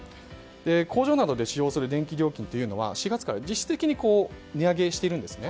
工場などで使用する電気料金は４月から実質的に値上げしているんですね。